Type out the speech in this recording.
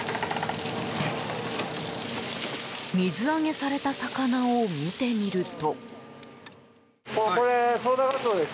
水揚げされた魚を見てみると。